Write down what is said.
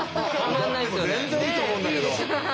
全然いいと思うんだけど。